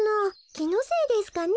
きのせいですかね？